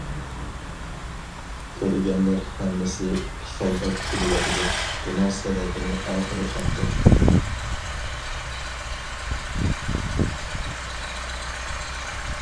كۆرگەنلەر ھەممىسى پىخىلداپ كۈلۈۋاتىدۇ، بۇنىڭ سەۋەبىنى ئاخىرى تاپتىم.